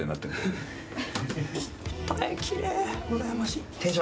うらやましい。